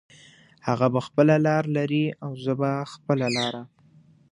هغه به خپله لار لري او زه به خپله لاره